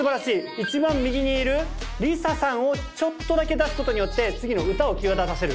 一番右にいるリサさんをちょっとだけ出す事によって次の歌を際立たせる。